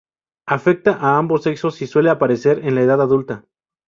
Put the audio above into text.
Afecta a ambos sexos y suele aparecer en la edad adulta.